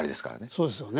そうですよね。